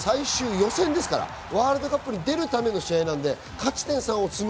最終予選ですから、ワールドカップに出るための試合なので勝ち点３を積む。